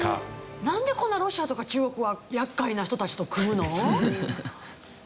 なんでこんなロシアとか中国はやっかいな人たちと組むの？